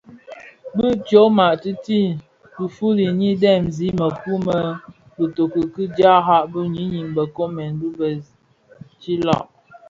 Bi tyoma tïti dhifuli nyi dhemzi mëkuu më bïtoki tara bi ňyinim bë nkoomen bii bë tsilag.